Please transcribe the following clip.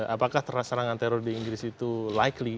apakah serangan teror di inggris itu likely